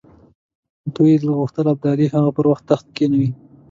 دوی نه غوښتل ابدالي هغه پر تخت کښېنوي.